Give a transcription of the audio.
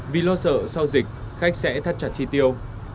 vì lo sợ sau dịch khách sẽ thắt chặt chi tiêu